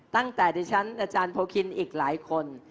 ตั้งแต่ดิฉันอาจารย์โพคินอีกหลายคน